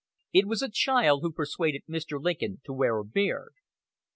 It was a child who persuaded Mr. Lincoln to wear a beard.